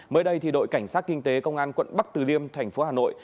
mới đây đội cảnh sát kinh tế công an quận bắc từ liêm thành phố hà nội